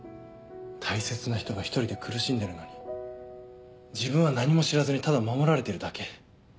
大切な人が一人で苦しんでるのに自分は何も知らずにただ守られてるだけ。